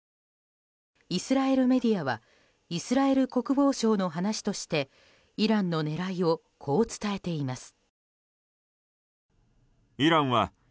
イスラエルメディアはイスラエル国防相の話としてイランの狙いをこう伝えています。